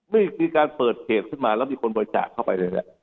มีการเปิดเพจขึ้นมาแล้วมีคนบริจาคเข้าไปเลย